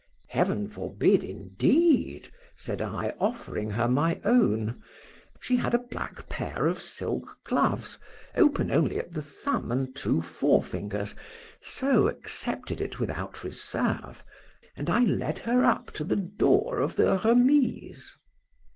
—Heaven forbid, indeed! said I, offering her my own;—she had a black pair of silk gloves, open only at the thumb and two fore fingers, so accepted it without reserve,—and I led her up to the door of the Remise.